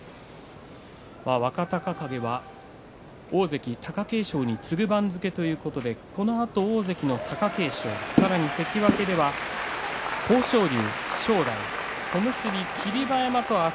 若隆景は大関貴景勝に次ぐ番付ということでこのあと大関の貴景勝さらに関脇では豊昇龍、正代小結霧馬山と明日